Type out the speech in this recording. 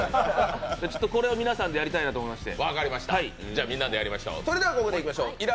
ちょっとこれを皆さんでやりたいなと思いまして。